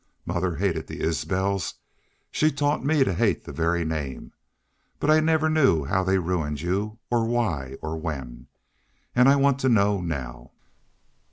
Mother hated the Isbels. She taught me to hate the very name. But I never knew how they ruined you or why or when. And I want to know now."